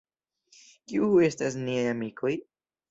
Kiuj estas niaj amikoj?